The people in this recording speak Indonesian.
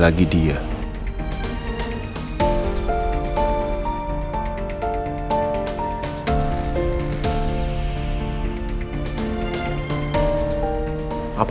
nah kita impf